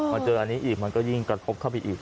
มาเจออันนี้อีกมันก็ยิ่งกระทบเข้าไปอีก